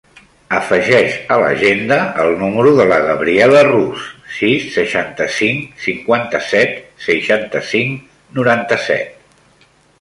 Afegeix a l'agenda el número de la Gabriela Rus: sis, seixanta-cinc, cinquanta-set, seixanta-cinc, noranta-set.